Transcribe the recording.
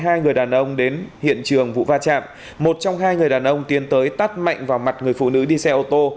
hai người đàn ông đến hiện trường vụ va chạm một trong hai người đàn ông tiến tới tắt mạnh vào mặt người phụ nữ đi xe ô tô